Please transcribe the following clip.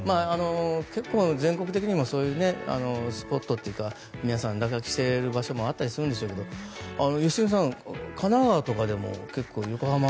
結構、全国的にもそういうスポットというか皆さん落書きしてる場所もあるんでしょうけど良純さん、神奈川とかでも結構、横浜。